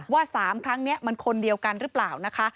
๓ครั้งนี้มันคนเดียวกันหรือเปล่านะคะ